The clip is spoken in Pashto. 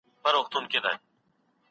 همېشه په ښو نمرو کامیابېدله